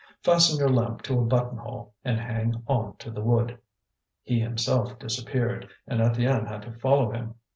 "Fasten your lamp to a button hole and hang on to the wood." He himself disappeared, and Étienne had to follow him.